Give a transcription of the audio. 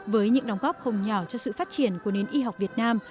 với những đóng góp không nhỏ cho sự phát triển của nền y học việt nam